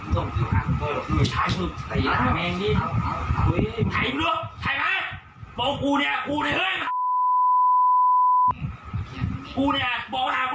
ถ่ายมาถ่ายมาบอกว่ากูเนี่ยบอกว่าถ่ายกับรถ